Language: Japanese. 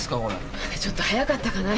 ちょっと早かったかな？